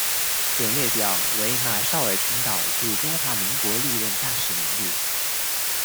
本列表为马绍尔群岛驻中华民国历任大使名录。